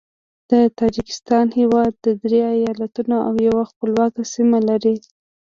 د تاجکستان هیواد درې ایالتونه او یوه خپلواکه سیمه لري.